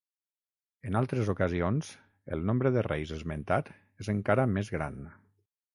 En altres ocasions el nombre de reis esmentat és encara més gran.